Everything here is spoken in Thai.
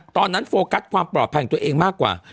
โฟกัสความปลอดภัยของตัวเองมากกว่า